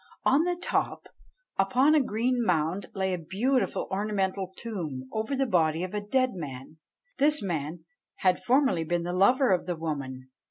On the top, upon a green mound, lay a beautiful ornamental tomb over the body of a dead man. This man had formerly been the lover of the woman.